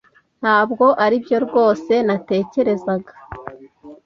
Ntabwo aribyo rwose natekerezaga.